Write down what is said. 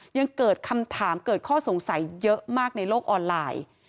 ยังเกิดคำถามเกิดข้อสงสัยเยอะมากในโลกออนไลน์